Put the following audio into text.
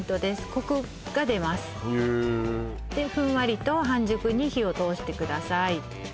コクが出ますでふんわりと半熟に火をとおしてください